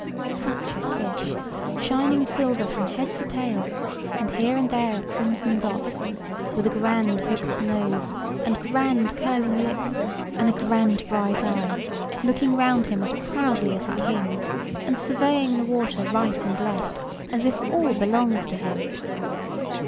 Such a fish! shining silver from head to tail, and here and there a crimson dot; with a grand hooked nose and grand curling lip, and a grand bright eye, looking round him as proudly as a king, and surveying the water right and left as if all belonged to him.